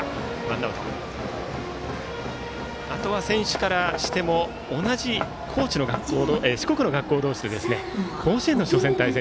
あとは選手からしても同じ四国の学校同士で甲子園の初戦で対戦。